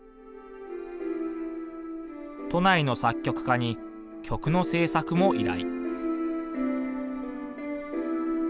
都内の作曲家に曲の制作も依頼。